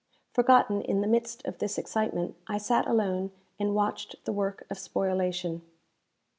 Forgotten in the midst of this excitement, I sat alone and watched the work of spoilation.